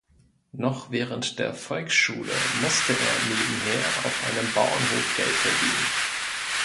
Noch während der Volksschule musste er nebenher auf einem Bauernhof Geld verdienen.